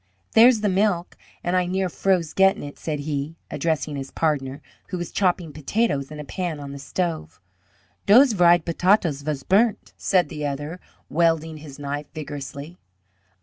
"There's the milk, and I near froze gettin' it," said he, addressing his partner, who was chopping potatoes in a pan on the stove. "Dose vried bodadoes vas burnt," said the other, wielding his knife vigorously.